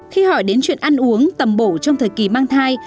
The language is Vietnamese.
khi hỏi đến chuyện ăn uống tầm bổ trong thời kỳ mang thai